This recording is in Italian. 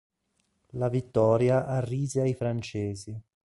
La vittoria arrise ai francesi.